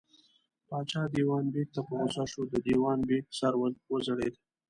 پاچا دېوان بېګ ته په غوسه شو، د دېوان بېګ سر وځړېد.